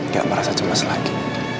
gak merasa cemas lagi